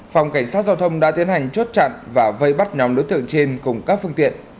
phòng cảnh sát giao thông đã tiến hành chốt chặn và vây bắt nhóm đối tượng trên cùng các phương tiện